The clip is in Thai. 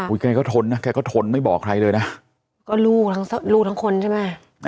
อุ้ยใครก็ทนนะใครก็ทนไม่บอกใครเลยน่ะก็รู้ทั้งรู้ทั้งคนใช่ไหม